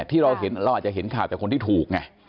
ที่เราเห็นเราอาจจะเห็นข่าวแต่คนที่ถูกไง